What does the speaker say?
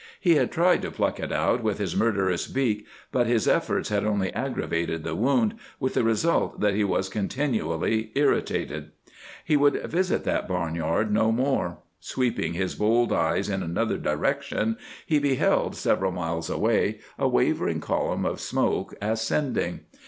He had tried to pluck it out with his murderous beak, but his efforts had only aggravated the wound, with the result that he was continually irritated. He would visit that barnyard no more. Sweeping his bold eyes in another direction, he beheld, several miles away, a wavering column of smoke ascending.